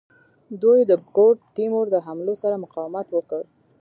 دوی د ګوډ تیمور د حملو سره مقاومت وکړ.